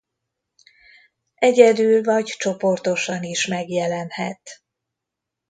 Egyedül vagy csoportosan is megjelenhet.